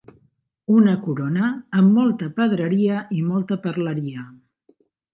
Una corona amb molta pedreria i molta perleria.